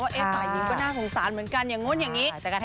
ฝ่ายหญิงก็น่าสงสารเหมือนกันอย่างนู้นอย่างนี้